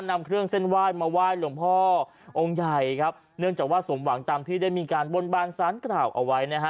นำเครื่องเส้นไหว้มาไหว้หลวงพ่อองค์ใหญ่ครับเนื่องจากว่าสมหวังตามที่ได้มีการบนบานสารกล่าวเอาไว้นะฮะ